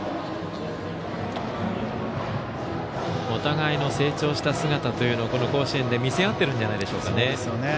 お互いの成長した姿というのをこの甲子園で見せ合ってるんじゃないでしょうか。